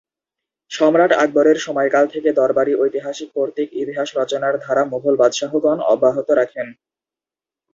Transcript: সম্রাট আকবরের সময়কাল থেকে দরবারি-ঐতিহাসিক কর্তৃক ইতিহাস রচনার ধারা মুগল বাদশাহগণ অব্যাহত রাখেন।